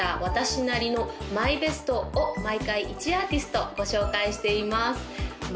私なりのＭＹＢＥＳＴを毎回１アーティストご紹介しています